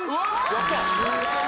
やった！